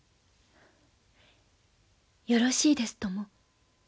よろしいですとも。